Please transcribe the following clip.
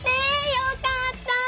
よかった！